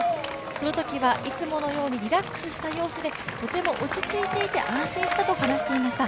そのときはいつものようにリラックスした様子で、とても落ち着いていて、安心したと話していました